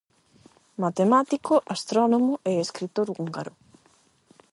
Matemático, astrónomo e escritor húngaro.